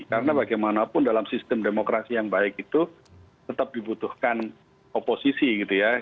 karena bagaimanapun dalam sistem demokrasi yang baik itu tetap dibutuhkan oposisi gitu ya